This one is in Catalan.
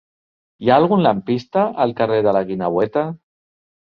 Hi ha algun lampista al carrer de la Guineueta?